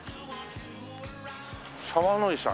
澤乃井さん。